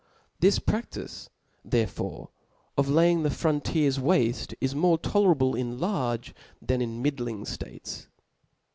This praftice there fore of laying the frontiers wafte, is more toler able in large than in middling itates.